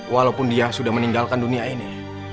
walaupun dia sudah meninggalkan dunia ini